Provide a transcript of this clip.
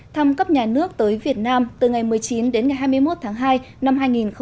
thăm cấp nhà nước tới việt nam từ ngày một mươi chín đến ngày hai mươi một tháng hai năm hai nghìn hai mươi